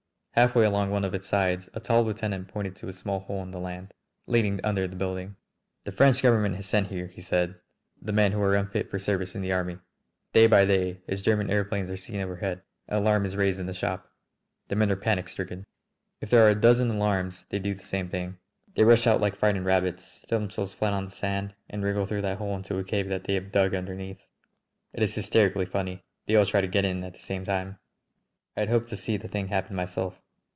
Halfway along one of its sides a tall lieutenant pointed to a small hole in the land, leading under the building. "The French government has sent here," he said, "the men who are unfit for service in the army. Day by day, as German aëroplanes are seen overhead, the alarm is raised in the shop. The men are panic stricken. If there are a dozen alarms they do the same thing. They rush out like frightened rabbits, throw themselves flat on the sand, and wriggle through that hole into a cave that they have dug underneath. It is hysterically funny; they all try to get in at the same time." I had hoped to see the thing happen myself.